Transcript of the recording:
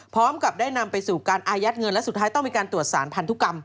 พร้อมกับได้นำไปสู่การอายัดเงินและสุดท้ายต้องมีการตรวจสารพันธุกรรม